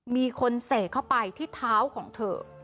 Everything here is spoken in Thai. มีคนเสกเข้าไปที่เท้าของเธอ